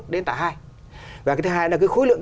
đến cả hai và cái thứ hai là cái khối lượng